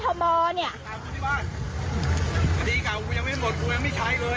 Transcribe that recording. โหมมก็เวางุ่นอาจสดการ